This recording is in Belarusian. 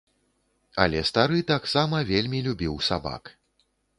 Але стары таксама вельмі любіў сабак.